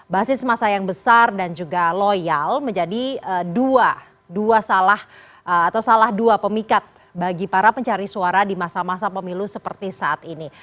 basis masa yang besar dan juga loyal menjadi dua salah atau salah dua pemikat bagi para pencari suara di masa masa pemilu seperti saat ini